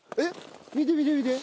見て見て見て。